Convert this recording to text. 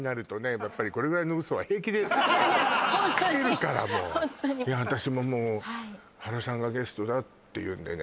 やっぱりいやいやホントにホントにつけるからもういや私ももう原さんがゲストだっていうんでね